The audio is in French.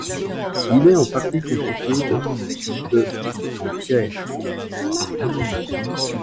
Il est en partie constitué de en pierre.